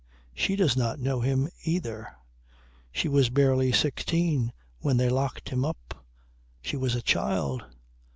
She does not know him either. She was barely sixteen when they locked him up. She was a child.